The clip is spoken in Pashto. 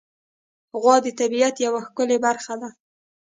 غوا د طبیعت یوه ښکلی برخه ده.